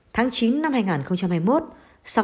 tháng chín năm hai nghìn hai mươi một sau khi liên lạc